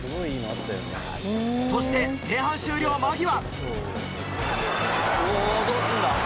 そして、前半終了間際。